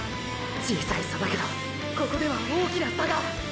小さい差だけどここでは大きな差が！！